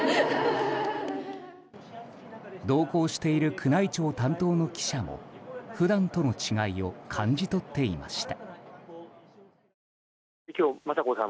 同行している宮内庁担当の記者も普段との違いを感じ取っていました。